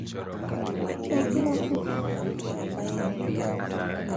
wanasema vitisho ukandamizwaji na ukamataji holela ni sehemu ya maisha ya kila siku